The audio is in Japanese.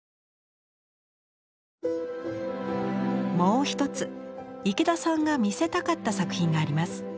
もう一つ池田さんが見せたかった作品があります。